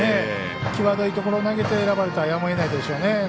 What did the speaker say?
際どいところに投げてやむをえないでしょうね。